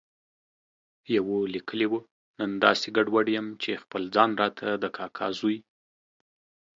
يوه ليکلي و، نن داسې ګډوډ یم چې خپل ځان راته د کاکا زوی